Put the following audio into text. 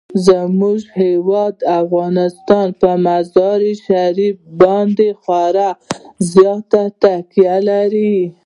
زموږ هیواد افغانستان په مزارشریف باندې خورا زیاته تکیه لري.